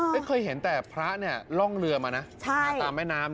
ไม่เคยเห็นแต่พระเนี่ยล่องเรือมานะมาตามแม่น้ำ